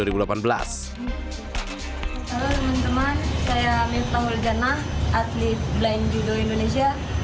halo teman teman saya lifta hul janah atlet blind judo indonesia